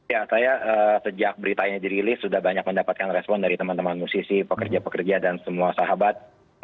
ya saya sejak beritanya dirilis sudah banyak mendapatkan respon dari teman teman musisi pekerja pekerja dan semua sahabat